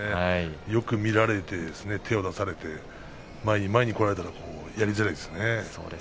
よく見られて手も出されて前に前に来られたらやりづらいですね。